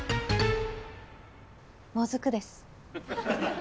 もずくです。